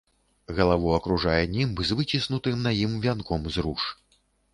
Галаву акружае німб з выціснутым на ім вянком з руж.